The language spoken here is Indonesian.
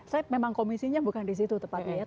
saya memang komisinya bukan disitu tepatnya ya